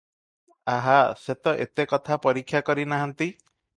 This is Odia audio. ଆହା, ସେତ ଏତେ କଥା ପରୀକ୍ଷା କରି ନାହାନ୍ତି ।